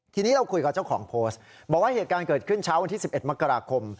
ทีนี้เราคุยกับเจ้าของโพสต์บอกว่าเหตุการณ์เกิดขึ้นเช้าวันที่๑๑มกราคม